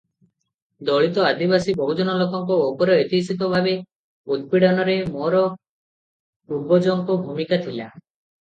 ଦଳିତ-ଆଦିବାସୀ-ବହୁଜନ ଲୋକଙ୍କ ଉପରେ ଐତିହାସିକ ଭାବେ ଉତ୍ପୀଡ଼ନରେ ମୋର ପୂର୍ବଜଙ୍କ ଭୂମିକା ଥିଲା ।